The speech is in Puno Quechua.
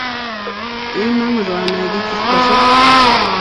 Iman ruwanaykichis kashan?